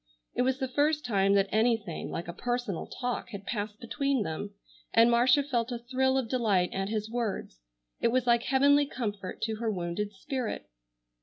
It was the first time that anything like a personal talk had passed between them, and Marcia felt a thrill of delight at his words. It was like heavenly comfort to her wounded spirit.